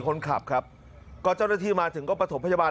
คนขับครับก็เจ้าหน้าที่มาถึงก็ประถมพยาบาล